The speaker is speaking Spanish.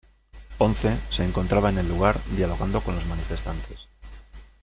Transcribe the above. Ponce se encontraba en el lugar dialogando con los manifestantes.